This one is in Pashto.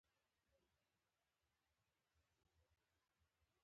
شخصیت پراختیا د هر فرد لپاره یوه ژوندۍ اړتیا ده.